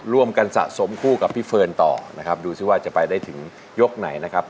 รวมกันสะสมคู่กับพี่เฟิร์นต่อนะครับดูสิว่าจะไปได้ถึงยกไหนนะครับ